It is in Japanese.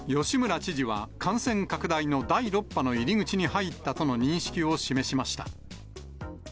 吉村知事は感染拡大の第６波の入り口に入ったとの認識を示しました。